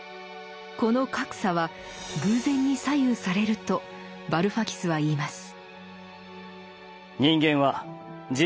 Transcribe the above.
この格差は偶然に左右されるとバルファキスは言います。